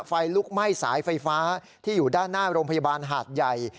ไฟลุกไหม้สายไฟฟ้าที่อยู่ด้านหน้าโรงพยาบาลหาดใหญ่